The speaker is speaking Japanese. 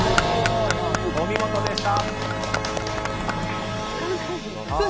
お見事でした。